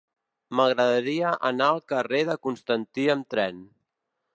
M'agradaria anar al carrer de Constantí amb tren.